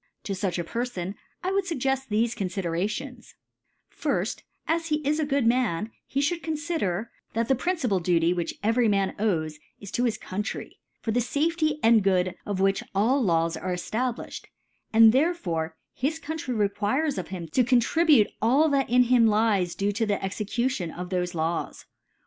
To fuch a Perfoii I would fuggcft tbcfe tonfiderations: Firji^ As he is a gpod Man, he (hould confider, that the principal Duty which every Man owes, is to his Country, for the Safety and Good of which all Laws are c^ ftablilhed ; ^and therefore his Country re quires of him to <contribute all that in hini lies to the (Jue Execution of thofe Laws.